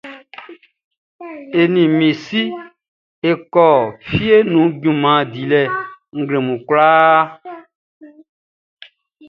N ni mi si e kɔ fie nun junman dilɛ nglɛmun kwlaa.